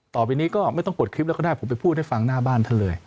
ต่อไปนี้ก็ไม่ต้องกดคลิปแล้วก็ได้ผมไปพูดให้ฟังหน้าบ้านท่านเลย